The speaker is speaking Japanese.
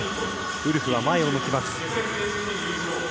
ウルフは前を向きます。